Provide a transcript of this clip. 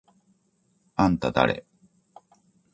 あんただれ？！？